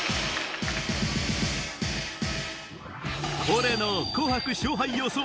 恒例の『紅白』勝敗予想